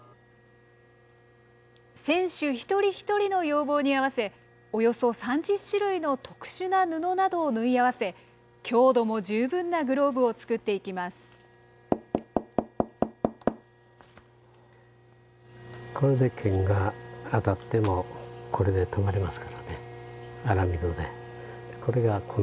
選手一人一人の要望に合わせ、およそ３０種類の特殊な布などを縫い合わせ、強度も十分なグローブを作っていきます。